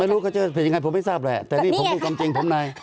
ไม่รู้ก็จะเป็นยังไงผมไม่ทราบแหละแต่นี่ผมรู้ความจริงผมไหน